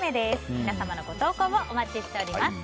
皆さんのご投稿をお待ちしております。